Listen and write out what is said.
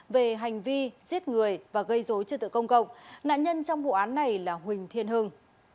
về hành vi giết người và gây dối trật tự công cộng nạn nhân trong vụ án này là huỳnh thiên hưng